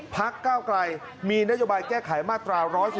พักเก้าไกลมีนโยบายแก้ไขมาตรา๑๑๒